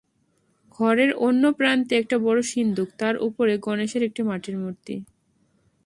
ঘরের অন্য প্রান্তে একটা বড়ো সিন্দুক, তার উপরে গণেশের একটি মাটির মূর্তি।